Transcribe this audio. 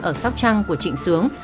ở sóc trăng của trịnh sướng